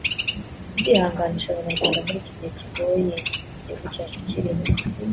“Ndihanganisha Abanyarwanda muri iki gihe kigoye igihugu cyacu kirimo